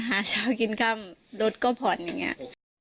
หาเช้ากินค่ำรถก็ผ่อนอย่างนี้